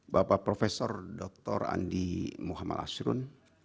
bapak profesor dr andi muhammad asrun